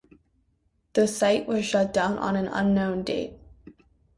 The site was shut down on an unknown date.